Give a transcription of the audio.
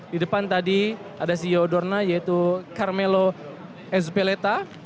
di depan tadi ada ceo dorna yaitu carmelo ezpeleta